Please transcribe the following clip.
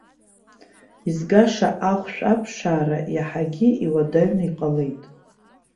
Изгаша ахәшә аԥшаара иаҳагьы иуадаҩны иҟалеит.